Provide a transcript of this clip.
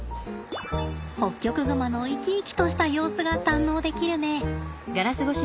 ホッキョクグマの生き生きとした様子が堪能できるね。